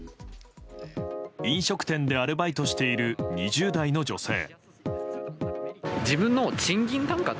飲食店でアルバイトしている２０代の女性。